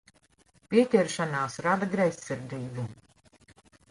Pieķeršanās rada greizsirdību.